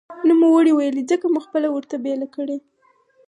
نوموړي ویلي، ځمکه مو خپله ورته بېله کړې